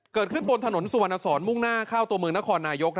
เกิดขึ้นบนถนนสุวรรณสอนมุ่งหน้าเข้าตัวเมืองนครนายก